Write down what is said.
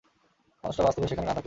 মানুষটা বাস্তবে সেখানে না থাকলেও।